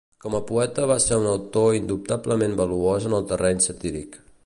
Com a poeta va ser un autor indubtablement valuós en el terreny satíric.